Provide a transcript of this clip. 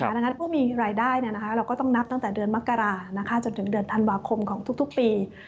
ดังนั้นผู้มีรายได้เราก็ต้องนับตั้งแต่เดือนมกราจนถึงเดือนธันวาคมของทุกปี